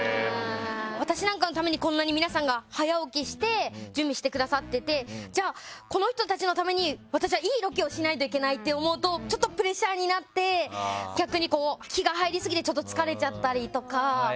私なんかのためにこんなに皆さんが早起きして準備してくださっててじゃあ、この人たちのために私は、いいロケをしないといけないと思うとちょっとプレッシャーになって逆に気が入りすぎて疲れちゃったりとか。